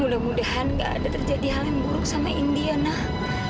mudah mudahan gak ada terjadi hal yang buruk sama indi ya nah